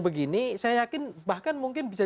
begini saya yakin bahkan mungkin bisa